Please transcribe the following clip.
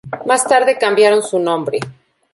Más tarde cambiaron su nombre.